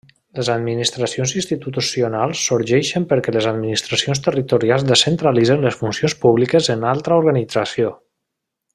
Les administracions institucionals sorgeixen perquè les administracions territorials descentralitzen les funcions públiques en altra organització.